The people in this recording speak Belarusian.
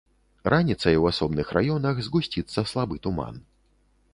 Раніцай у асобных раёнах згусціцца слабы туман.